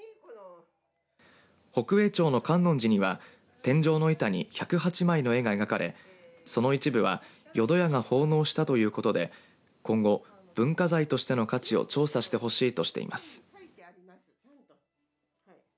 北栄町の観音寺には天井の板に１０８枚の絵が描かれその一部は淀屋が奉納したということで今後文化財としての価値を調査してほしいとしています。